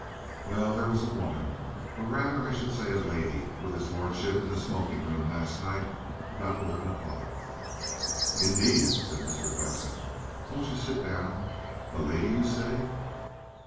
"Well, there was a woman, or rather I should say a lady, with his lordship in the smoking room last night about eleven o'clock." "Indeed?" said Mr. Flexen. "Won't you sit down? A lady you say?"